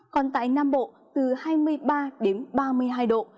còn tại nam bộ từ hai mươi ba đến ba mươi hai độ